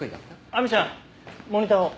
亜美ちゃんモニターを。